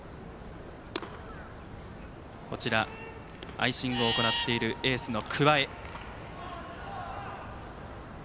アイシングを行っているエースの桑江。